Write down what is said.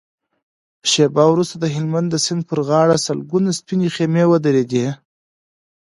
شېبه وروسته د هلمند د سيند پر غاړه سلګونه سپينې خيمې ودرېدې.